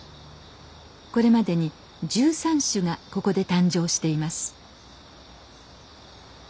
これまでに１３種がここで誕生しています。